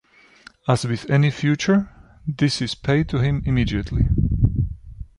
As with any future, this is paid to him immediately.